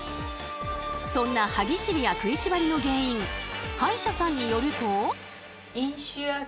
そんな歯ぎしりや食いしばりの原因歯医者さんによると。